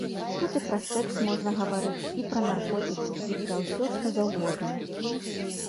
Тут і пра секс можна гаварыць, і пра наркотыкі і пра ўсё, што заўгодна.